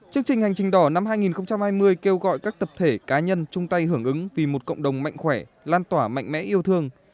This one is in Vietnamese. chương trình hành trình đỏ năm hai nghìn hai mươi kêu gọi các tập thể cá nhân chung tay hưởng ứng vì một cộng đồng mạnh khỏe lan tỏa mạnh mẽ yêu thương